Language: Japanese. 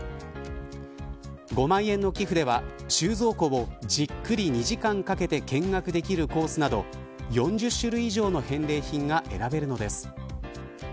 ５万円の寄付では収蔵庫をじっくり２時間かけて見学できるコースなど４０種類以上の返礼品が選べるのです。